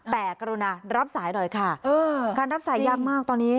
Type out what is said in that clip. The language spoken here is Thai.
แต่กรุณารับสายหน่อยค่ะการรับสายยากมากตอนนี้